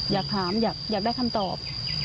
อยากถามอยากได้คำตอบ